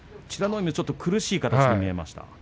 海はちょっと苦しい形に見えました。